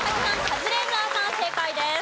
カズレーザーさん正解です。